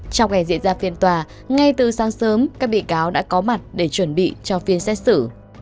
trong ngày diễn ra phiên tòa ngay từ sáng sớm các bị cáo đã có mặt để chuẩn bị cho phiên xét xử